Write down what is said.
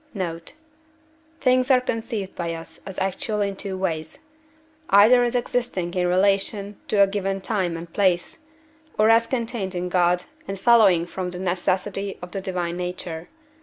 Note. Things are conceived by us as actual in two ways; either as existing in relation to a given time and place, or as contained in God and following from the necessity of the divine nature.